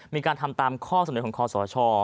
มีการทำตามข้อเสนอของคอสช